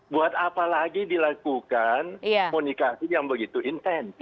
buat apa lagi dilakukan komunikasi yang begitu intens